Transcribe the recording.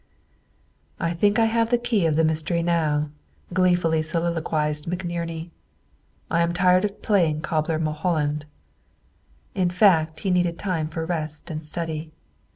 "I think that I have the key of the mystery now," gleefully soliloquized McNerney. "I am tired of playing cobbler Mulholland." In fact, he needed time for rest and study.